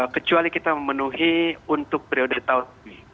kecuali kita memenuhi untuk prioritas